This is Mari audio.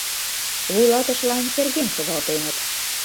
Вуйлатышылан Сергем шогалтеныт.